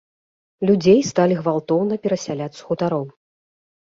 Людзей сталі гвалтоўна перасяляць з хутароў.